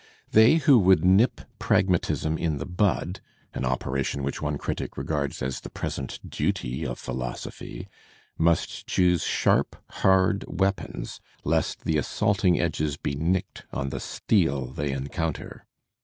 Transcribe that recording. They who would "nip" Pragmatism "in the bud" (an operation which one critic regards as the present duty of philosophy) must choose sharp, hard weapons lest the assaulting edges be nicked on the steel they encounter.